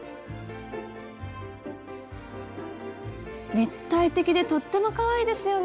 立体的でとってもかわいいですよね。